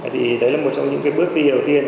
thì đấy là một trong những bước tiêu tiên